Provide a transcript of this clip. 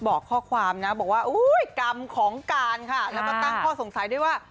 บอกข้อความนะบอกว่าอุ้ยกรรมของการค่ะแล้วก็ตั้งข้อสงสัยด้วยว่า